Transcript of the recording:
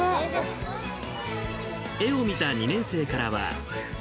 絵を見た２年生からは。